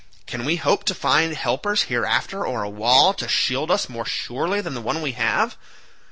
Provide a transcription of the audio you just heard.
Can we hope to find helpers hereafter, or a wall to shield us more surely than the one we have?